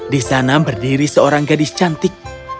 di sana berdiri seorang gadis cantik